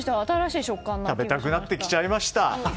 食べたくなってきちゃいました。